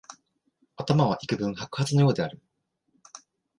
頭はいくぶん白髪のようである